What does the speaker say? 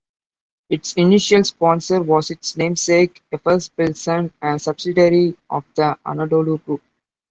Its initial sponsor was its namesake Efes Pilsen, a subsidiary of the Anadolu Group.